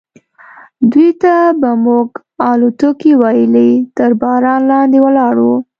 دوی ته به موږ الوتکې ویلې، تر باران لاندې ولاړ و.